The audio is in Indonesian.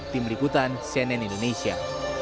tim liputan cnn indonesia